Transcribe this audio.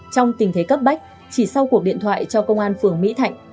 trong tình thế cấp bách chỉ sau cuộc điện thoại cho công an phường mỹ thạnh